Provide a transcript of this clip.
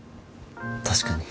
確かに。